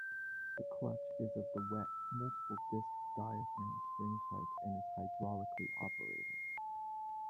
The clutch is of the wet, multiple-disc diaphragm spring type and is hydraulically operated.